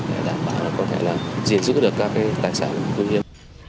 để đảm bảo là có thể là giữ được các cái tài sản quý hiếm